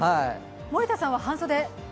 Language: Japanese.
森田さんは半袖。